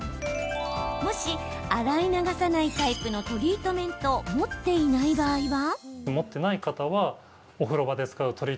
もし、洗い流さないタイプのトリートメントを持っていない場合は？